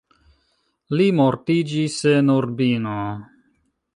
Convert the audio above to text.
Li mortiĝis en Urbino.